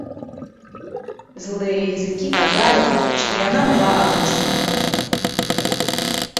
Злыя языкі казалі, што яна была атручана.